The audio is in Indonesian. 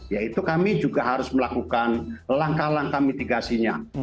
ya itu kami juga harus melakukan langkah langkah mitigasinya